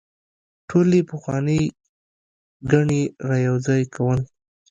ټولې پخوانۍ ګڼې رايوځاي کول